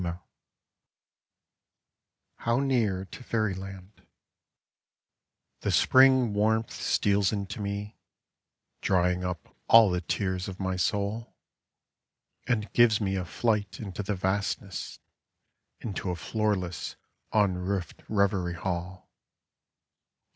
67 HOW NEAR TO FAIRYLAND The spring warmth steals into nie, drying up all the tears ot my soul, And gives me a flight into the vastness, — into a floorless, unroofed reverie hall.